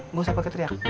gak usah pake teriak